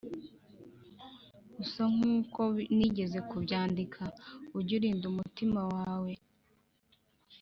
gusa nkuko nigeze kubyandika ujye urinda umutima wawe,